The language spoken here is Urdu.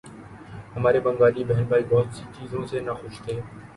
ہمارے بنگالی بہن بھائی بہت سی چیزوں سے ناخوش تھے۔